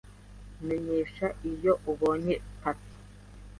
Menyesha iyo ubonye paki.